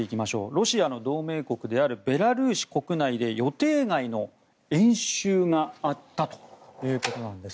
ロシアの同盟国であるベラルーシ国内で予定外の演習があったということなんです。